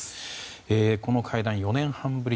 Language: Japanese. この会談、４年半ぶり